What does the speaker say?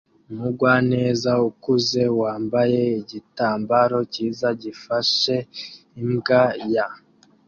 Umugwaneza ukuze wambaye igitambaro cyiza gifashe imbwa year